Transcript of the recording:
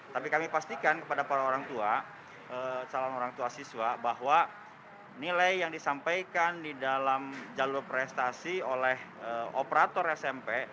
tapi kami pastikan kepada para orang tua calon orang tua siswa bahwa nilai yang disampaikan di dalam jalur prestasi oleh operator smp